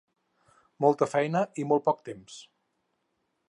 Molta feina i molt poc temps.